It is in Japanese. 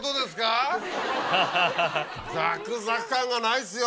ザクザク感がないですよ。